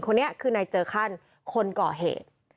คนนี้คือนายเจอร์คันคนก่อเหตุ